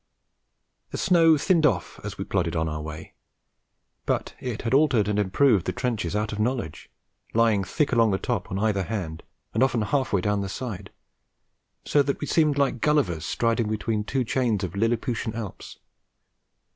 The snow thinned off as we plodded on our way. But it had altered and improved the trenches out of knowledge, lying thick along the top on either hand and often half way down the side, so that we seemed like Gullivers striding between two chains of Lilliputian Alps.